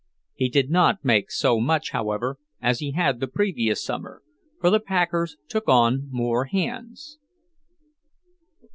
He did not make so much, however, as he had the previous summer, for the packers took on more hands.